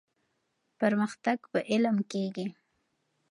پرمختګ په علم کيږي.